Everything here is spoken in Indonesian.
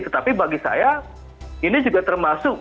tetapi bagi saya ini juga termasuk